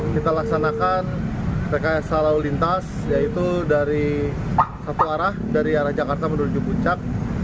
kita laksanakan rekayasa lalu lintas yaitu dari satu arah dari arah jakarta menuju puncak